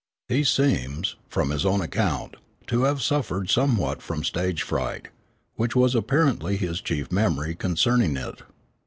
He seems, from his own account, to have suffered somewhat from stage fright, which was apparently his chief memory concerning it.